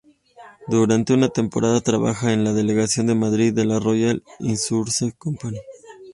Durante una temporada trabaja en la Delegación de Madrid de la "Royal Insurance Company.